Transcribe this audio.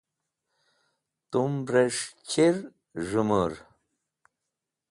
Tumrẽs̃h chir z̃hemũr?